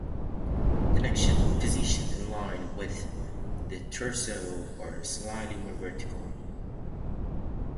The neck should be positioned in line with the torso or slightly more vertical.